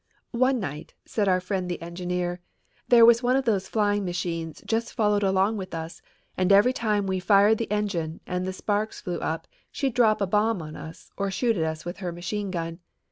"One night," said our friend the engineer, "there was one of those flying machines just followed along with us and every time we fired the engine and the sparks flew up she'd drop a bomb on us or shoot at us with her machine gun.